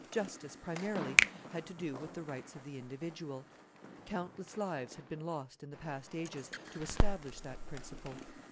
Justice, primarily, had to do with the rights of the individual. Countless lives had been lost in the past ages to establish that principle.